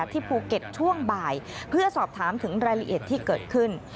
ที่ภูเก็ตช่วงบ่ายเพื่อสอบถามถึงรายละเอียดที่เกิดขึ้น